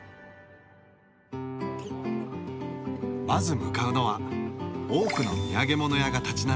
まず向かうのは多くの土産物屋が立ち並ぶ